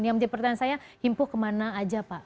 yang menjadi pertanyaan saya himpuh kemana aja pak